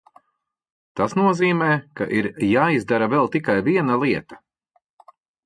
Tas nozīmē, ka ir jāizdara vēl tikai viena lieta.